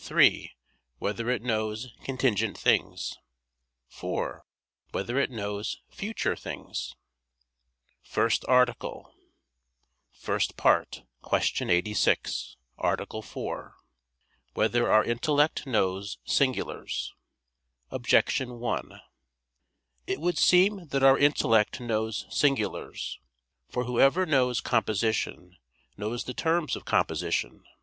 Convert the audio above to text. (3) Whether it knows contingent things? (4) Whether it knows future things? _______________________ FIRST ARTICLE [I, Q. 86, Art. 4] Whether Our Intellect Knows Singulars? Objection 1: It would seem that our intellect knows singulars. For whoever knows composition, knows the terms of composition.